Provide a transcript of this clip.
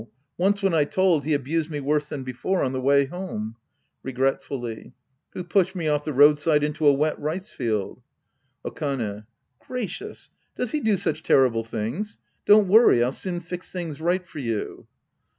Once when I told, he abused me worse than before on the way home. {Regret fully^ He pushed me off the roadside into a wet rice iield. Okane. Gracious ! Does he do such terrible things ? Don't worry. I'll soon fix things right for you.